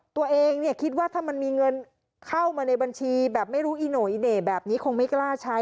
ตัวเองคิดว่าถ้ามีเงินเข้ามาในบัญชีแบบไม่รู้อีโหน่อแบบนี้คงไม่กล้าใช้